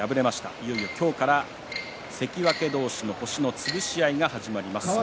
いよいよ今日から関脇同士の星の潰し合いが始まります。